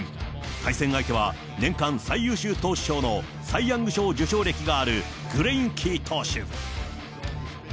対戦相手は、年間最優秀投手賞のサイ・ヤング賞受賞歴があるグレインキー投手。